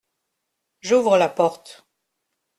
J’ouvre la porte.